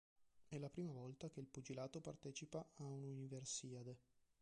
È la prima volta che il pugilato partecipa a un'Universiade.